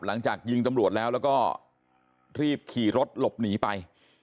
หลังจากยิงตำรวจแล้วแล้วก็รีบขี่รถหลบหนีไป